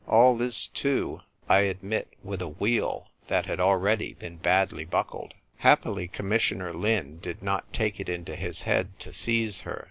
All this too, I admit, with a wheel that had already been badly buckled. Happily, Commissioner Lin did not take it into his head to seize her.